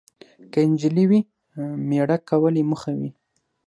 که انجلۍ وي، میړه کول یې موخه وي.